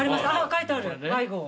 書いてある梅郷。